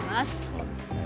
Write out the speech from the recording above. そうですね。